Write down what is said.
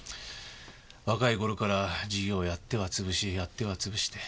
若い頃から事業をやっては潰しやっては潰しで。